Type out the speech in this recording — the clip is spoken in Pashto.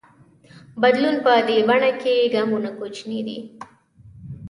بدلون په دې بڼه کې ګامونه کوچني وي.